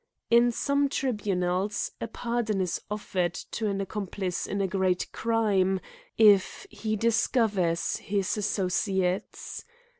In some tribunals a pardon is offered to an ac complice in a great crime, if he discover his as sociates.